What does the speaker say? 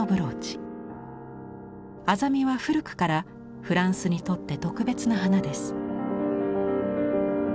アザミは古くからフランスにとって特別な花です。